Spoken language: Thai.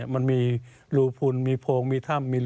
มันมีรูพุนมีโพงมีถ้ำ